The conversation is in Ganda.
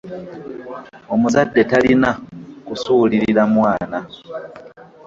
Omuzadde talina kusuulirira mwana.